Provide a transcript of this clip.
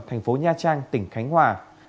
thành phố nha trang tỉnh khánh hòa